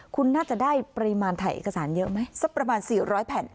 คุณน่าจะได้ปริมาณถ่ายเอกสารเยอะไหมสักประมาณ๔๐๐แผ่น